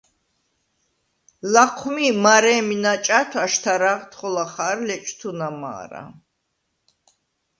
ლაჴვმი მა̄რე̄მი ნაჭათვ აშთა̄რაღდ ხოლა ხა̄რ ლეჭვთუნა მა̄რა.